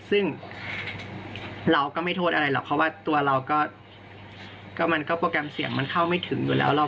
ซึ่งเราก็ไม่โทษอะไรหรอกเพราะว่าตัวเราก็มันก็โปรแกรมเสียงมันเข้าไม่ถึงอยู่แล้ว